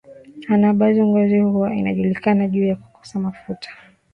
ana wajua ngozi huwa inakujana juu ya kukosa mafuta